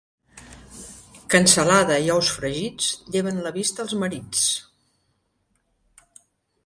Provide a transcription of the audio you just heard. Cansalada i ous fregits lleven la vista als marits.